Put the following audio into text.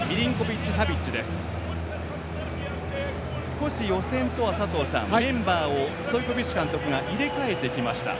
少し予選とは、佐藤さんメンバーをストイコビッチ監督が変えてきました。